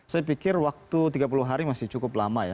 saya pikir waktu tiga puluh hari masih cukup lama ya